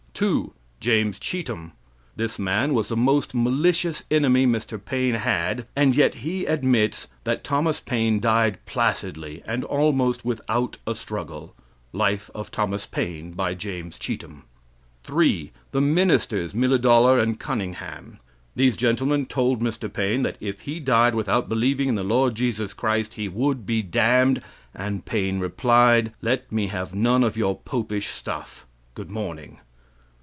2. James Cheetham. This man was the most malicious enemy Mr. Paine had, and yet he admits that "Thomas Paine died placidly, and almost without a struggle." Life of Thomas Paine, by James Cheetham. 3. The ministers, Milledollar and Cunningham. These gentleman told Mr. Paine that if he died without believing in the Lord Jesus Christ, he would be damned, and Paine replied: "Let me have none of your popish stuff. Good morning."